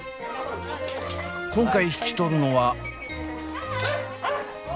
今回引き取るのは。